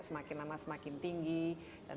semakin lama semakin tinggi dan